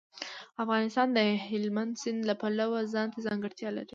افغانستان د هلمند سیند د پلوه ځانته ځانګړتیا لري.